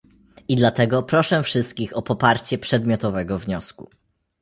I dlatego proszę wszystkich o poparcie przedmiotowego wniosku